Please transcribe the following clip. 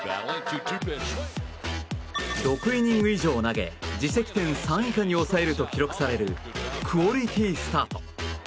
６イニング以上を投げ自責点３以下に抑えると記録されるクオリティースタート。